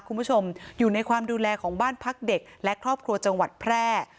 คุณผู้ชมอยู่ในความดูแลของบ้านพักเด็กและครอบครัวจังหวัดแพร่